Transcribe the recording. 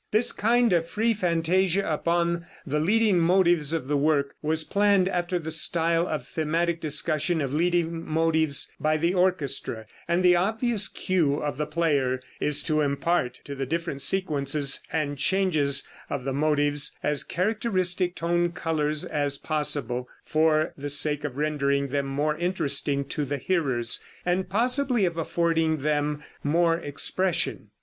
This kind of free fantasia upon the leading motives of the work, was planned after the style of thematic discussion of leading motives by the orchestra, and the obvious cue of the player is to impart to the different sequences and changes of the motives as characteristic tone colors as possible, for the sake of rendering them more interesting to the hearers, and possibly of affording them more expression.